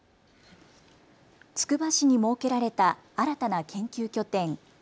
つくば市に設けられた新たな研究拠点。